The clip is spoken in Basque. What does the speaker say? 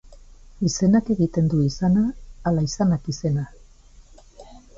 Izenak egiten du izana ala izanak izena?